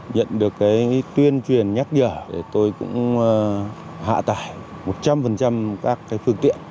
nhận được tuyên truyền nhắc nhở tôi cũng hạ tải một trăm linh các phương tiện